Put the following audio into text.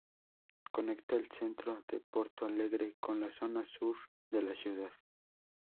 Conecta el centro de Porto Alegre con la zona sur de la ciudad.